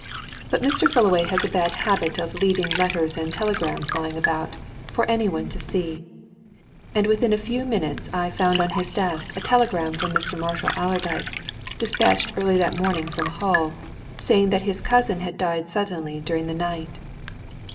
But Mr. Fullaway has a bad habit of leaving letters and telegrams lying about, for any one to see, and within a few minutes I found on his desk a telegram from Mr. Marshall Allerdyke, dispatched early that morning from Hull, saying that his cousin had died suddenly during the night.